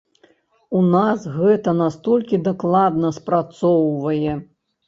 У нас гэта настолькі дакладна спрацоўвае.